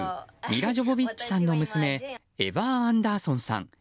ミラ・ジョヴォヴィッチさんの娘エヴァー・アンダーソンさん